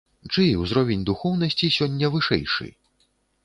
Чый узровень духоўнасці сёння вышэйшы?